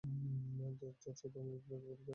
যশ চোপড়ার মুভির বিলাস বহুল বেডরুম থাকবে।